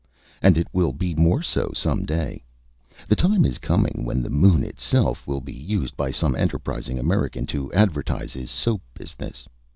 "And it will be more so some day. The time is coming when the moon itself will be used by some enterprising American to advertise his soap business.